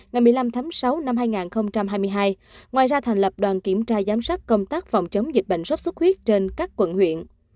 ngày một mươi năm tháng sáu năm hai nghìn hai mươi hai ngoài ra thành lập đoàn kiểm tra giám sát công tác phòng chống dịch bệnh sốt xuất huyết trên các quận huyện